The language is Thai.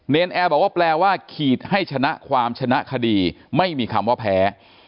นแอร์บอกว่าแปลว่าขีดให้ชนะความชนะคดีไม่มีคำว่าแพ้